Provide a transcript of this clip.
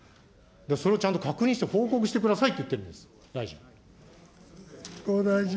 それをちゃんと確認して報告してくださいって言ってるんです、大臣。